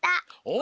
お！